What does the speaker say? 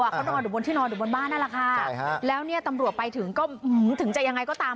เขานอนอยู่บนที่นอนอยู่บนบ้านนั่นแหละค่ะแล้วเนี่ยตำรวจไปถึงก็ถึงจะยังไงก็ตาม